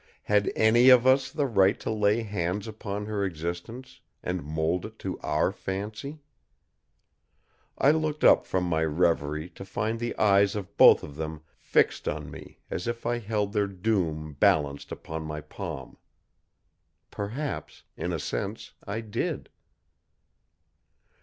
Had any of us the right to lay hands upon her existence and mould it to our fancy? I looked up from my revery to find the eyes of both of them fixed on me as if I held their doom balanced upon my palm. Perhaps, in a sense, I did.